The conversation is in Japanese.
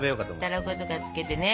たらことかつけてね。